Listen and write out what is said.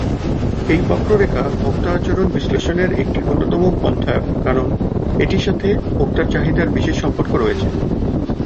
এই বক্ররেখা ভোক্তা আচরণ বিশ্লেষণের একটি অন্যতম পন্থা কারণ এটির সাথে ভোক্তার চাহিদার বিশেষ সম্পর্ক রয়েছে।